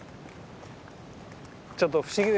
ちょっと不思議ですよね。